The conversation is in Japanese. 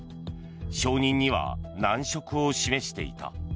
承認には難色を示していた。